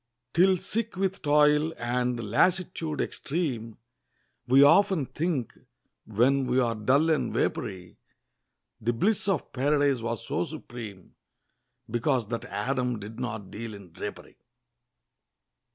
Till sick with toil, and lassitude extreme, We often think, when we are dull and vapoury, The bliss of Paradise was so supreme, Because that Adam did not deal in drapery.